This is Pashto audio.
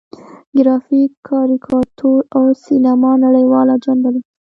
ګرافیک، کاریکاتور او سینما نړیواله جنبه لري.